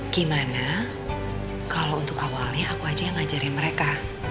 gimana kalau untuk awalnya aku aja yang ngajarin mereka